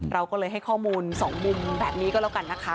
เราก็เลยให้ข้อมูลสองมุมแบบนี้ก็แล้วกันนะคะ